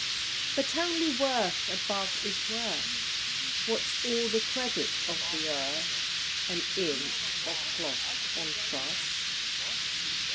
But only worth, above, is worth. What's all the credit of the earth? An inch of cloth on trust?